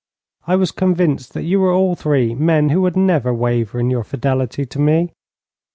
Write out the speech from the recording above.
I was convinced that you were all three men who would never waver in your fidelity to me.